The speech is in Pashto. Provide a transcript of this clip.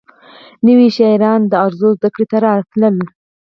نوي شاعران د عروضو زدکړې ته راتلل.